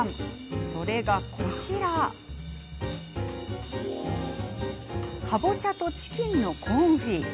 それが、こちらかぼちゃとチキンのコンフィ。